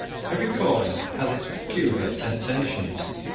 Every calling has its peculiar temptations.